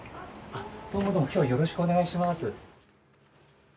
あどうもどうも今日はよろしくお願いします。